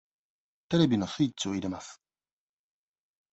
テレビのスイッチを入れます。